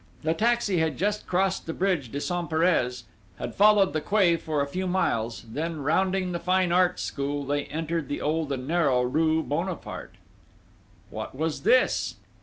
The taxi had just crossed the bridge des Sainte Pères, had followed the quay for a few minutes, then rounding the Fine Arts School they entered the old and narrow rue Bonaparte.... What was this?